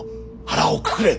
腹をくくれ！